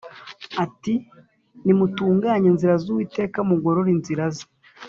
ati ‘Nimutunganye inzira y’Uwiteka, Mugorore inzira ze.’ ”